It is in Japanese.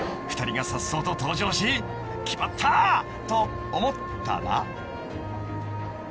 ［２人がさっそうと登場し決まったと思ったら］